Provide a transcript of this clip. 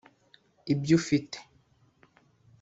ibyo ufite